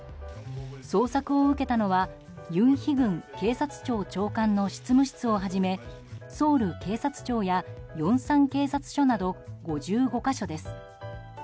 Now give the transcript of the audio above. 捜索を受けたのはユン・ヒグン警察庁長官の執務室をはじめソウル警察庁やヨンサン警察署など５５か所です。